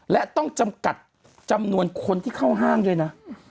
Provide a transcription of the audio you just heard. และต้องจำกัดจำนวนคนที่เข้าห้างด้วยนะ